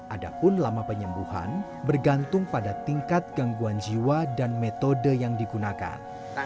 ada pun lama penyembuhan bergantung pada tingkat gangguan jiwa dan metode yang digunakan